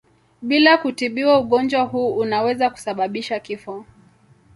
Bila kutibiwa ugonjwa huu unaweza kusababisha kifo.